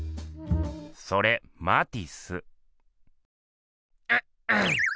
それマティス。